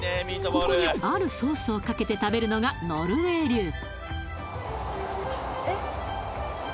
ここにあるソースをかけて食べるのがノルウェー流